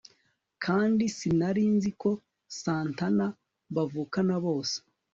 kandi sinari nzi ko santana bavukana bosse